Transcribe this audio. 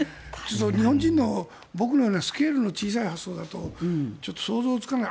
日本人の僕のようなスケールの小さい発想だと想像がつかない。